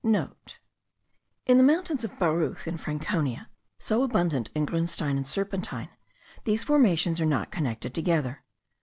(* In the mountains of Bareuth, in Franconia, so abundant in grunstein and serpentine, these formations are not connected together.